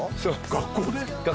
学校で。